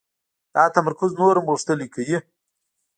دا تمرکز نور هم غښتلی کوي